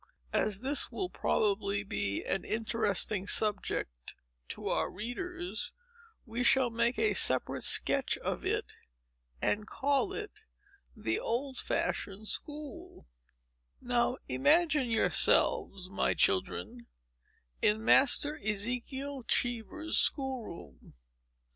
As this will probably be an interesting subject to our readers, we shall make a separate sketch of it, and call it THE OLD FASHIONED SCHOOL Now imagine yourselves, my children, in Master Ezekiel Cheever's school room.